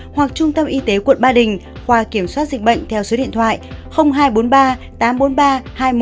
hoặc trung tâm y tế quận ba đình qua kiểm soát dịch bệnh theo số điện thoại hai trăm bốn mươi ba tám trăm bốn mươi ba hai nghìn một trăm sáu mươi